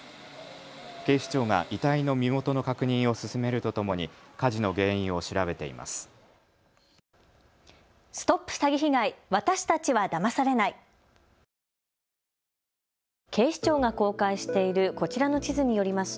警視庁が遺体の身元の確認を進めるとともに火事の原因を調べています。